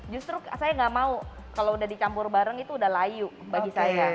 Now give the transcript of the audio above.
justru saya nggak mau kalau udah dicampur bareng itu udah layu bagi saya